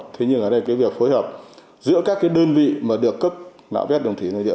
thế nhưng ở đây cái việc phối hợp giữa các cái đơn vị mà được cấp nạo vét đường thủy nội địa